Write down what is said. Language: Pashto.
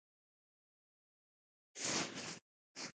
په هغه کې لیکلي وو چې امیر دې منع کړل شي.